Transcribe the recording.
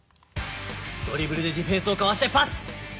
ドリブルでディフェンスをかわしてパス！